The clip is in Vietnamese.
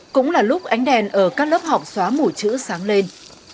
cũng là lúc ánh đèn ở các lớp học xóa mùi chữ sáng lên